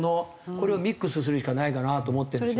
これをミックスするしかないかなと思ってるんですよ。